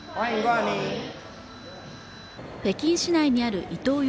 北京市内にあるイトー